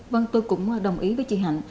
vâng tôi cũng đồng ý với chị hạnh